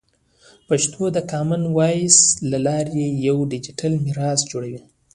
پښتو د کامن وایس له لارې یوه ډیجیټل میراث جوړوي.